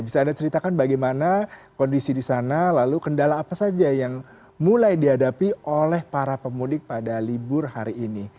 bisa anda ceritakan bagaimana kondisi di sana lalu kendala apa saja yang mulai dihadapi oleh para pemudik pada libur hari ini